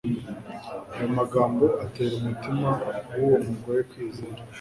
Ayo magambo atera umutima w'uwo mugore kwizera.